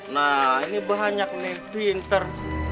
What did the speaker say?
nah ini banyak nih pinter